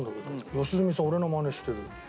良純さん俺のマネしてる。